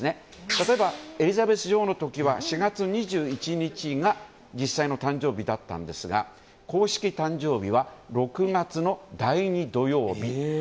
例えばエリザベス女王の時は４月２１日が実際の誕生日だったんですが公式誕生日は６月の第２土曜日。